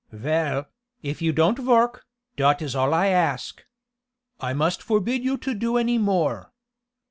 "Vell, if you don't vork, dot is all I ask. I must forbid you to do any more.